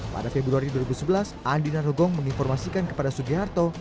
pada februari dua ribu sebelas andi narogong menginformasikan kepada sugiharto